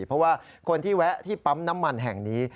เพราะว่าคนที่แวะที่ปั๊มน้ำมันแห่งนี้